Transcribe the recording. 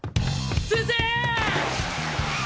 先生！